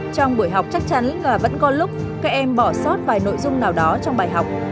trong buổi học chắc chắn và vẫn có lúc các em bỏ sót vài nội dung nào đó trong bài học